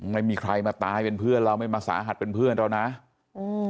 ไม่มีใครมาตายเป็นเพื่อนเราไม่มาสาหัสเป็นเพื่อนเรานะอืม